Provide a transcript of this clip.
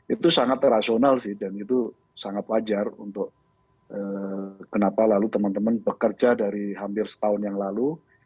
itu sangat terasional sih dan itu sangat wajar untuk kenapa lalu teman teman bekerja dari hampir setahun yang lalu